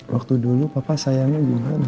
waktu dulu papa sayangnya gimana